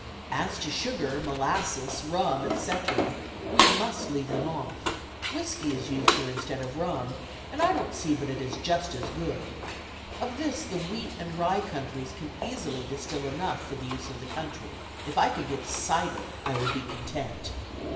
As to sugar, molasses, rum, etc., we must leave them off. Whiskey is used here instead of rum, and I don't see but it is just as good. Of this the wheat and rye countries can easily distill enough for the use of the country. If I could get cider I would be content."